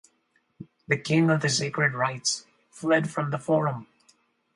The King of the Sacred Rites fled from the forum.